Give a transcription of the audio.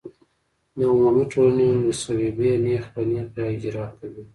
د عمومي ټولنې مصوبې نېغ په نېغه اجرا کوي.